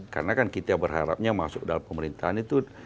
karena kan kita berharapnya masuk dalam pemerintahan itu